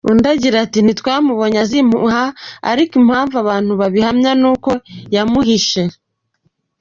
Undi yagize ati “Ntitwabibonye azimuha, ariko impamvu abantu babihamya ni uko yamuhishe.